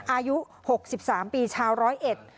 อายุ๖๓ปีชาวร้อยเอ็ด